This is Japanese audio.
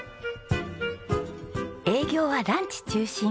営業はランチ中心。